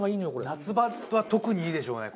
夏場は特にいいでしょうね